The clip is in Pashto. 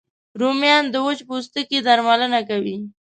رومیان د وچ پوستکي درملنه کوي